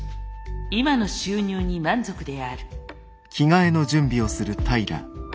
今の収入に満足である。